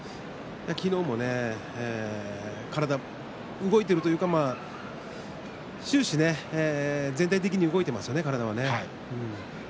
昨日も体が動いているというか終始全体的に動いていますよね